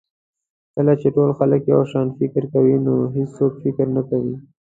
کله چې ټول خلک یو شان فکر کوي نو هېڅوک فکر نه کوي.